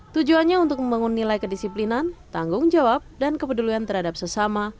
tujuannya untuk membangun nilai kedisiplinan tanggung jawab dan kepedulian terhadap sesama